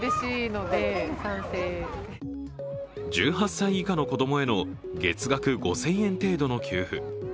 １８歳以下の子供への月額５０００円程度の給付。